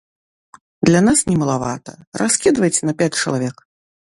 Для нас не малавата, раскідвайце на пяць чалавек.